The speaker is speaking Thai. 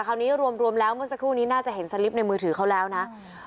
คราวนี้รวมแล้วเมื่อสักครู่นี้น่าจะเห็นสลิปในมือถือเขาแล้วนะ